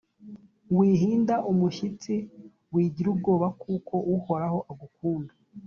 wihinda umushyitsi wigira ubwoba kuko uhoraho agukunda